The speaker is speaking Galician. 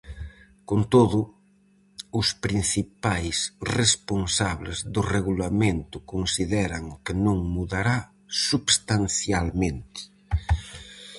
Con todo, os principais responsables do regulamento consideran que non mudará substancialmente.